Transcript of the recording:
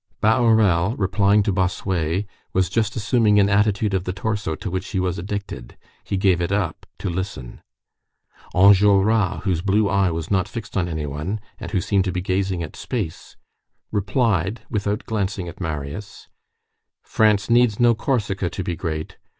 Bahorel, replying to Bossuet, was just assuming an attitude of the torso to which he was addicted. He gave it up to listen. Enjolras, whose blue eye was not fixed on any one, and who seemed to be gazing at space, replied, without glancing at Marius:— "France needs no Corsica to be great.